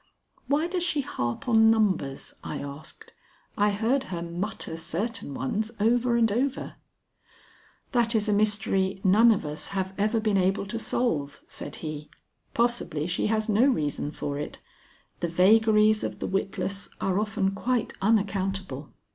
"Why does she harp on numbers?" I asked. "I heard her mutter certain ones over and over." "That is a mystery none of us have ever been able to solve," said he. "Possibly she has no reason for it. The vagaries of the witless are often quite unaccountable."